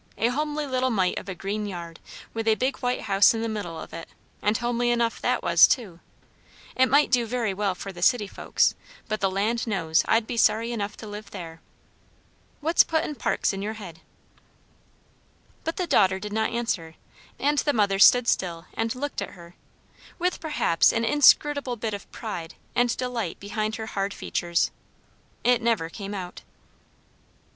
A homely little mite of a green yard, with a big white house in the middle of it; and homely enough that was too. It might do very well for the city folks; but the land knows I'd be sorry enough to live there. What's putting parks in your head?" But the daughter did not answer, and the mother stood still and looked at her, with perhaps an inscrutable bit of pride and delight behind her hard features. It never came out.